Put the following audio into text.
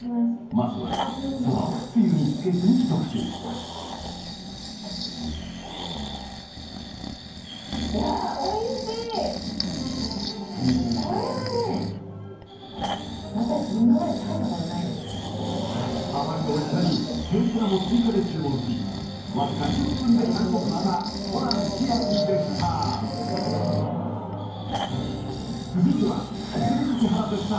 まずは蕎麦をつゆにつけずに一口いやおいしいこれはねあまりのおいしさに天ぷらも追加で注文しわずか１０分で完食したホラン千秋でした続いては杉咲花絶賛